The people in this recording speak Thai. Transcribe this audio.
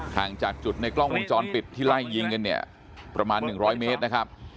ห่างจากจุดในกล้องวงจรปิดที่ไล่ยิงกันเนี่ยประมาณ๑๐๐เมตรนะครับ